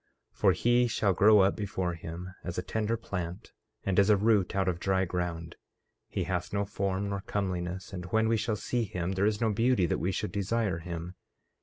14:2 For he shall grow up before him as a tender plant, and as a root out of dry ground; he hath no form nor comeliness; and when we shall see him there is no beauty that we should desire him.